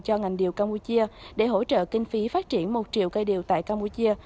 cho ngành điều campuchia để hỗ trợ kinh phí phát triển một triệu cây điều tại campuchia